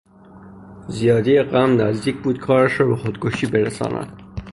زیادی غم نزدیک بود کارش را به خودکشی برساند.